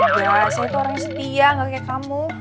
biasa itu orangnya setia gak kayak kamu